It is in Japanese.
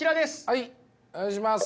はいお願いします。